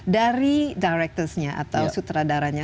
dari director nya atau sutradaranya